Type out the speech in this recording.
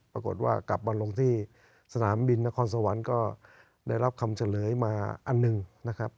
ปรากฏว่ากลับมาลงที่สนามบินนครสวรรค์ก็ได้รับคำเฉลยมาอันหนึ่งนะครับ